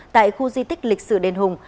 tại khu di tích lịch sử đền hùng